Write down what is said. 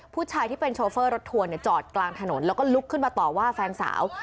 ผู้ชายที่เป็นโชเฟอร์รถทัวร์จอดกลางถนนแล้วก็ลุกขึ้นมาต่อว่าแฟนสาว